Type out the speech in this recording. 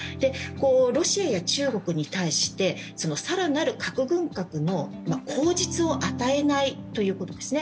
ロシアや中国に対して、更なる核軍拡の口実を与えないということですね。